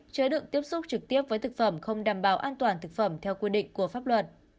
chứa đựng tiếp xúc trực tiếp với thực phẩm không đảm bảo an toàn thực phẩm theo quy định của pháp luật